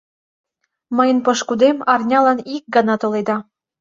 — Мыйын пошкудем арнялан ик гана толеда.